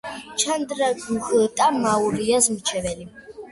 ჩანდრაგუპტა მაურიას მრჩეველი.